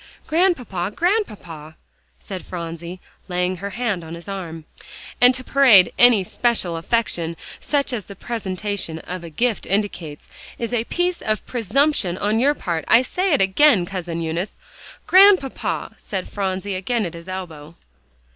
"Grandpapa Grandpapa," said Phronsie, laying her hand on his arm. "And to parade any special affection, such as the presentation of a gift indicates, is a piece of presumption on your part, I say it again, Cousin Eunice." "Grandpapa!" said Phronsie again at his elbow.